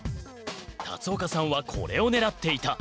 龍岡さんはこれを狙っていた。